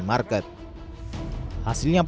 gak ada sih